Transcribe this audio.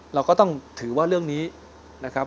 เราก็ต้องถือว่าเรื่องนี้นะครับ